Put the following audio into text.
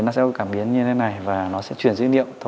nó sẽ có cảm biến như thế này và nó sẽ chuyển dữ liệu